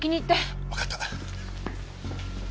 わかった。